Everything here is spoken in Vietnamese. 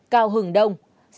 năm cao hừng đông